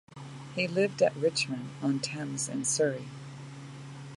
He lived at Richmond on Thames in Surrey.